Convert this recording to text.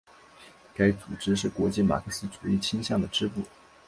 该组织是国际马克思主义倾向的支部。